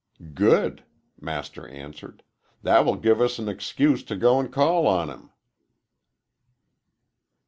"Good!" Master answered; "that will give us an excuse to go and call on him."